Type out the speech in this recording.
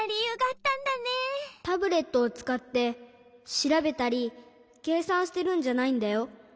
タブレットをつかってしらべたりけいさんしてるんじゃないんだよ。